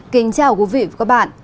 kính chào quý vị và các bạn